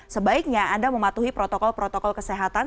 sebaiknya anda mematuhi protokol protokol kesehatan